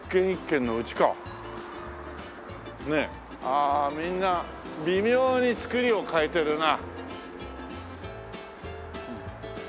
ああみんな微妙につくりを変えてるな。